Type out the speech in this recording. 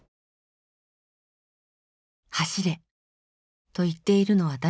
「はしれ！」と言っているのは誰なのか。